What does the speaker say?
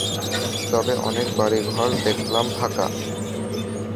তবে অনেক বাড়ি-ঘর দেখলাম ফাঁকা।